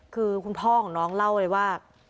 คือคุณพ่อของน้องเล่าเลยว่า